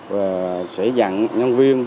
và sẽ dặn nhân viên